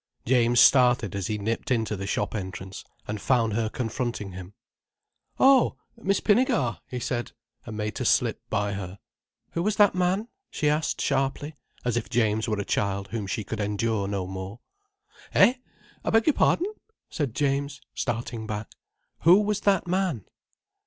James started as he nipped into the shop entrance, and found her confronting him. "Oh—Miss Pinnegar!" he said, and made to slip by her. "Who was that man?" she asked sharply, as if James were a child whom she could endure no more. "Eh? I beg your pardon?" said James, starting back. "Who was that man?"